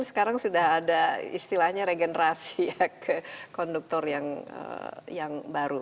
sekarang sudah ada istilahnya regenerasi ya ke konduktor yang baru